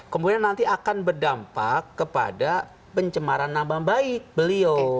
kemudian nanti akan berdampak kepada pencemaran nama baik beliau